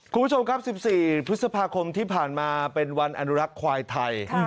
คุณผู้ชมครับ๑๔พฤษภาคมที่ผ่านมาเป็นวันอนุรักษ์ควายไทย